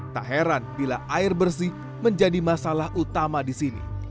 tak heran bila air bersih menjadi masalah utama disini